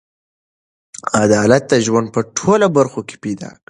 عدالت د ژوند په ټولو برخو کې پکار دی.